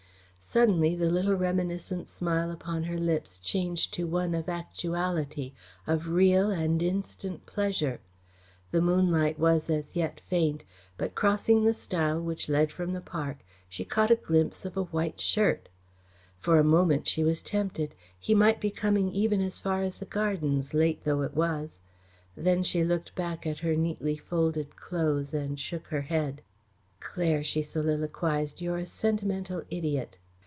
Suddenly the little reminiscent smile upon her lips changed to one of actuality, of real and instant pleasure. The moonlight was as yet faint, but, crossing the stile which led from the park, she caught a glimpse of a white shirt. For a moment she was tempted. He might be coming even as far as the gardens, late though it was. Then she looked back at her neatly folded clothes and shook her head. "Claire," she soliloquised, "you're a sentimental idiot!"